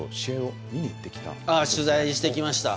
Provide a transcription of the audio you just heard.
取材してきました。